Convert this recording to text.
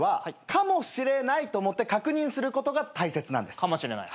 かもしれない。